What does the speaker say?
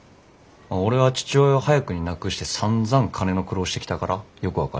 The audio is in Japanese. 俺は父親を早くに亡くしてさんざん金の苦労をしてきたからよく分かる。